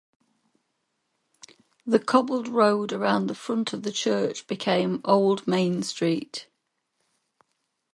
The cobbled road around the front of the church became 'Old Main Street'.